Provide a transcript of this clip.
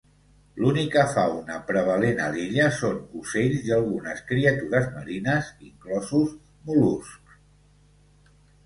L'única fauna prevalent a l'illa són ocells i algunes criatures marines, inclosos mol·luscs.